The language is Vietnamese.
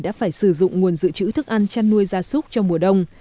đã phải sử dụng nguồn dự trữ thức ăn chăn nuôi gia súc trong mùa đông